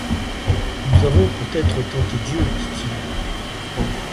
Nous avons peut-être tenté Dieu, dit-il.